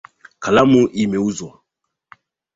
Kalamu imeuzwa.